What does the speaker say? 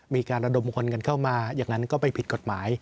มีการระดมคนกันเข้ามาอย่างนั้นก็ไม่ผิดกฎหมาย